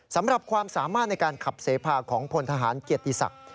สำหรับความสามารถในการขับเสพาของพลทหารเกียรติศักดิ์